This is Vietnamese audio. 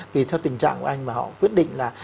tùy theo tình trạng của anh mà họ quyết định là